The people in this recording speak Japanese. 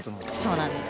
そうなんです。